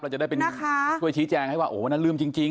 จะได้เป็นช่วยชี้แจงให้ว่าโอ้วันนั้นลืมจริง